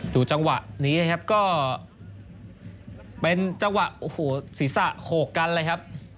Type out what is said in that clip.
จังหวะนี้นะครับก็เป็นจังหวะโอ้โหศีรษะโขกกันเลยครับ